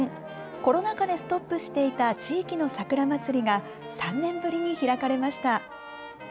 コロナ禍でストップしていた地域の桜まつりが３年ぶりに開かれました。